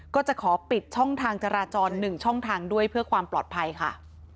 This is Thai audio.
ก็จะขอปิดช่องทางจราจร๑ช่องทางด้วยเพื่อความปลอดภัยค่ะ